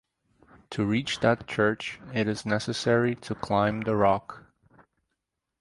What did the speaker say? To reach that church it is necessary to climb the rock.